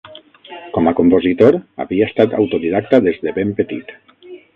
Com a compositor, havia estat autodidacta des de ben petit.